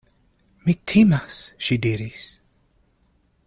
Mi timas, ŝi diris.